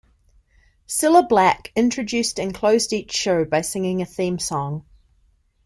Cilla Black introduced and closed each show by singing a theme song.